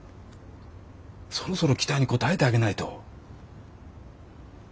そろそろ期待に応えてあげないと。